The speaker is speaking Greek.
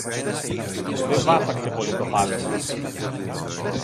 Δε βάσταξε πολύ το πάλεμα